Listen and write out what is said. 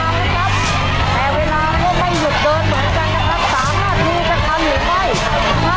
แพดแล้วนะครับเดี๋ยวเล่นสี่เท่านั้น